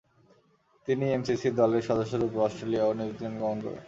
তিনি এমসিসি দলের সদস্যরূপে অস্ট্রেলিয়া ও নিউজিল্যান্ড গমন করেন।